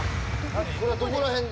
これはどこら辺で？